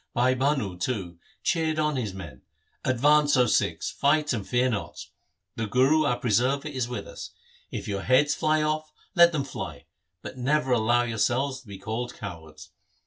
Bhai Bhanu, too, cheered on his men, ' Advance, O Sikhs ; fight, and fear not. The Guru our preserver is with us. If your heads fly off, let them fly, but never allow yourselves to be called cowards.